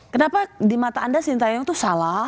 kenapa di mata anda sintayong itu salah